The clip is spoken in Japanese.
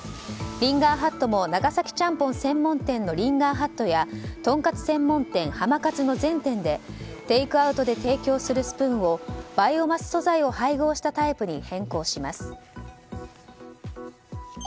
リンガーハットも長崎ちゃんぽん専門店のリンガーハットやとんかつ専門店濱かつの全店でテイクアウトで提供するスプーンをバイオマス素材を配合したタイプに変更します。